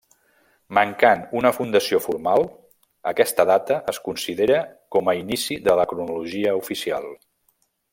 Mancant una fundació formal, aquesta data es considera com a inici de la cronologia oficial.